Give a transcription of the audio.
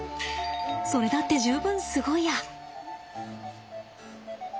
それだって十分すごいや。